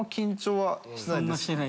はい？